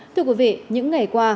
thưa quý vị những ngày qua